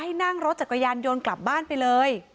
ให้นั่งรถจักรยานยนต์กลับบ้านไปเลย